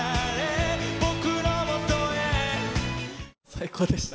最高でした。